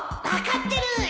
分かってる